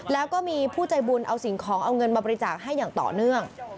แล้วก็มีผู้ใจบุญเอาสิ่งของเอาเงินมาบริจาคให้อย่างต่อเนื่อง